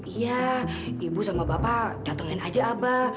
iya ibu sama bapak datengin aja abah